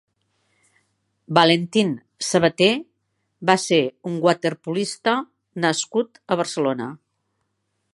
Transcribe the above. Valentín Sabate va ser un waterpolista nascut a Barcelona.